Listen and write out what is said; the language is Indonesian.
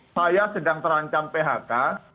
saya sedang terancam phk